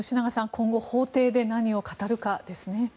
今後、法廷で何を語るかですね。